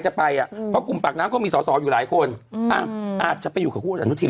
จะไปอ่ะเพราะกลุ่มปากน้ำก็มีสอสออยู่หลายคนอ่ะอาจจะไปอยู่กับคุณอนุทิน